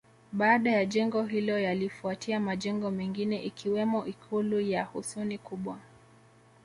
Baada ya jengo hilo yalifuatia majengo mengine ikiwemo Ikulu ya Husuni Kubwa